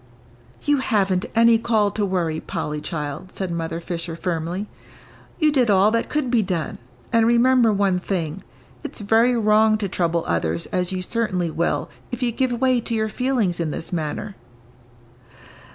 "You haven't any call to worry, Polly, child," said Mother Fisher, firmly. "You did all that could be done and remember one thing, it's very wrong to trouble others as you certainly will if you give way to your feelings in this manner."